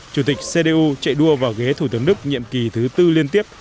chủ tịch cdu chạy đua vào ghế thủ tướng đức nhiệm kỳ thứ tư liên tiếp